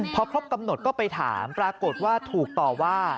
พอครบกำหนดก็ไปถามปรากฏว่าถูกต่อว่า